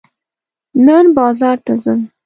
نن بازار ته ځم.